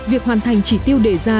việc hoàn thành chỉ tiêu đề ra